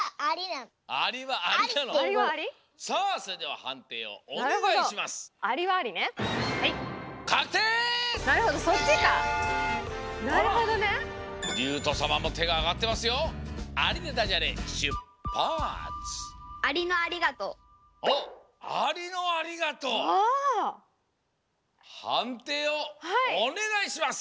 はんていをおねがいします！